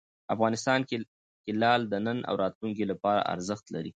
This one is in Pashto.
افغانستان کې لعل د نن او راتلونکي لپاره ارزښت لري.